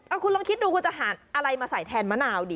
คุณลองคิดดูคุณจะหาอะไรมาใส่แทนมะนาวดิ